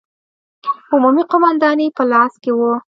عمومي قومانداني په لاس کې وه.